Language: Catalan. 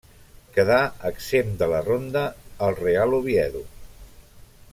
Quedà exempt de la ronda el Real Oviedo.